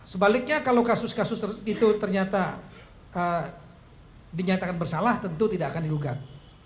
sebaliknya kalau kasus kasus itu ternyata dinyatakan bersalah tentu tidak akan digugat